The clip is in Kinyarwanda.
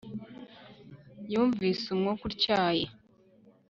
Yumvise umwuka utyaye